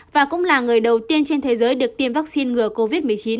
và cũng là người đầu tiên trên thế giới được tiêm vaccine ngừa covid một mươi chín